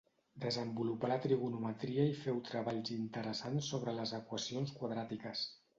Desenvolupà la trigonometria i féu treballs interessants sobre les equacions quadràtiques.